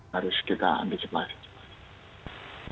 harus kita ambil jelasin